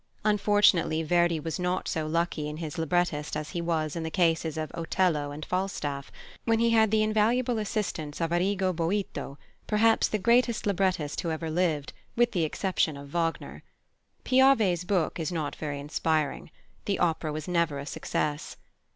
Unfortunately, Verdi was not so lucky in his librettist as he was in the cases of Otello and Falstaff, when he had the invaluable assistance of Arrigo Boito, perhaps the greatest librettist who ever lived, with the exception of Wagner. Piave's book is not very inspiring. The opera was never a success.